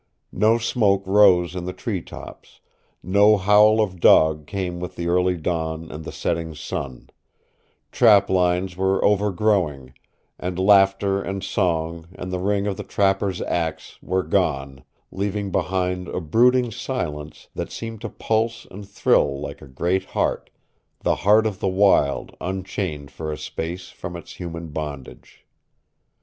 No smoke rose in the tree tops; no howl of dog came with the early dawn and the setting sun; trap lines were over growing, and laughter and song and the ring of the trapper's axe were gone, leaving behind a brooding silence that seemed to pulse and thrill like a great heart the heart of the wild unchained for a space from its human bondage.